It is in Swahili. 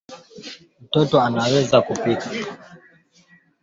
mwishoni mwa Februari iliyopelekea kuvuruga mtiririko wa usambazaji